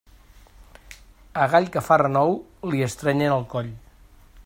A gall que fa renou, li estrenyen el coll.